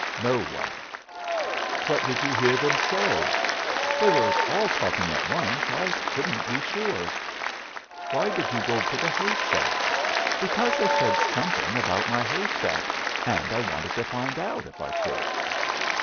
"No one." "What did you hear them say?" "They were all talking at once. I couldn't be sure." "Why did you go to the hay stack?" "Because they said something about my hay stack, and I wanted to find out, if I could."